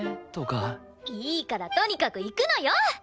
いいからとにかく行くのよ！